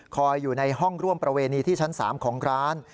อยู่ในห้องร่วมประเวณีที่ชั้น๓ของร้าน